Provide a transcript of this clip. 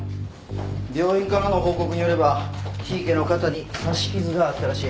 病院からの報告によれば檜池の肩に刺し傷があったらしい。